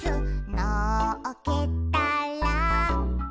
「のっけたら」